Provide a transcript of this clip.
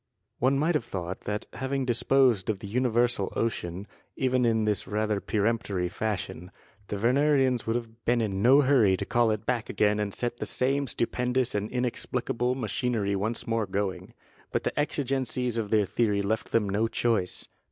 One might have thought that having disposed of the universal ocean, even in this rather peremptory fashion, the Wernerians would have been in no hurry to call it back again and set the same stupendous and inexplicable machinery once more going. But the exigencies of their theory left them no choice.